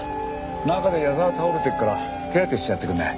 中で矢沢倒れてっから手当てしてやってくんない？